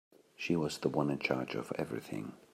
She was the one in charge of everything.